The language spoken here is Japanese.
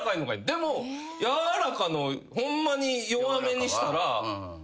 でもやわらかのホンマに弱めにしたら。